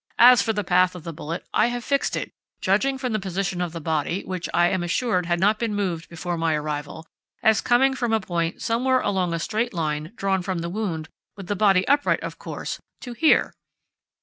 "As for the path of the bullet, I have fixed it, judging from the position of the body, which I am assured had not been moved before my arrival, as coming from a point somewhere along a straight line drawn from the wound, with the body upright, of course, to here!"